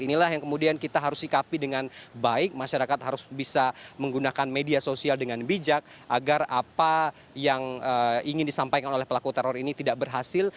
inilah yang kemudian kita harus sikapi dengan baik masyarakat harus bisa menggunakan media sosial dengan bijak agar apa yang ingin disampaikan oleh pelaku teror ini tidak berhasil